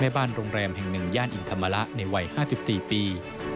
แม่บ้านโรงแรมแห่งหนึ่งย่านอินธรรมละในวัย๕๔ปี